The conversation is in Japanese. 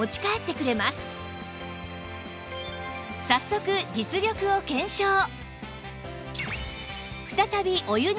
早速実力を検証！